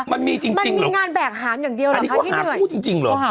มันมีงานแบกหามอย่างเดียวหรอกคะที่เหนื่อย